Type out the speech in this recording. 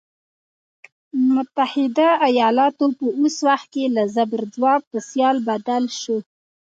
متحده ایالتونه په اوس وخت کې له زبرځواک په سیال بدل شوی.